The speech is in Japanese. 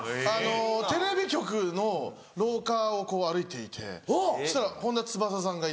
テレビ局の廊下を歩いていてそしたら本田翼さんがいて。